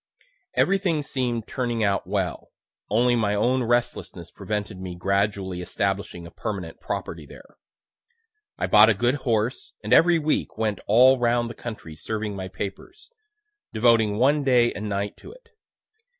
Everything seem'd turning out well; (only my own restlessness prevented me gradually establishing a permanent property there.) I bought a good horse, and every week went all round the country serving my papers, devoting one day and night to it.